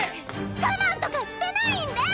我慢とかしてないんで！